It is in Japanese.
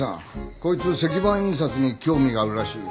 こいつ石版印刷に興味があるらしい。